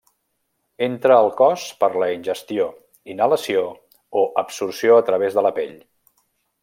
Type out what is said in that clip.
Entra al cos per la ingestió, inhalació o absorció a través de la pell.